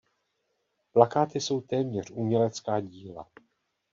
Plakáty jsou téměř umělecká díla.